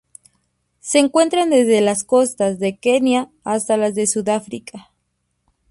Se encuentran desde las costas de Kenia hasta las de Sudáfrica.